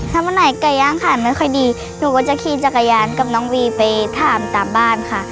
ถ้าวันไหนไก่ย่างขายไม่ค่อยดีหนูก็จะขี่จักรยานกับน้องวีไปถามตามบ้านค่ะ